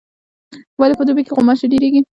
ولي په دوبي کي غوماشي ډیریږي؟